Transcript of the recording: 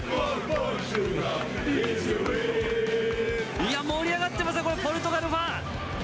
いや、盛り上がってます、これ、ポルトガルファン。